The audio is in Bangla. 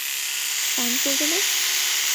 পান করবে না!